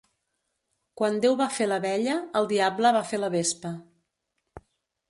Quan Déu va fer l'abella, el diable va fer la vespa.